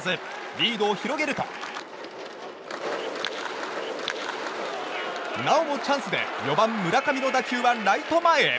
リードを広げるとなおもチャンスで４番、村上の打球はライト前へ。